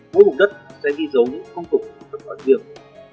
mỗi mục đất sẽ ghi dấu những công cục văn hóa riêng